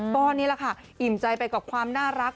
ก็นี่แหละค่ะอิ่มใจไปกับความน่ารัก